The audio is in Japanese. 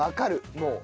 もう。